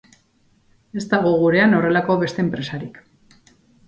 Ez dago gurean horrelako beste enpresarik.